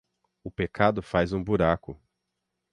O pecado faz um buraco